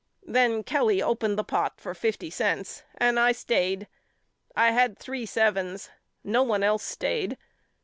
Then Kelly opened the pot for fifty cents and I stayed. I had three sevens. No one else stayed.